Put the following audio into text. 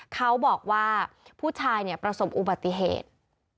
เขาบอกว่าผู้ชายประสบอุบัติเหตุ